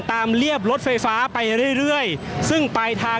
ก็น่าจะมีการเปิดทางให้รถพยาบาลเคลื่อนต่อไปนะครับ